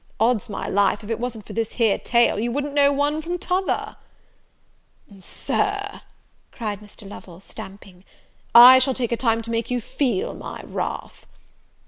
Odds my life, if it wasn't for this here tail, you wouldn't know one from t'other." "Sir," cried Mr. Lovel, stamping, "I shall take a time to make you feel my wrath."